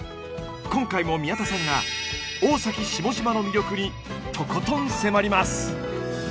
今回も宮田さんが大崎下島の魅力にとことん迫ります！